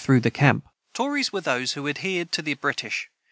] [Footnote 111: Tories were those who adhered to the British.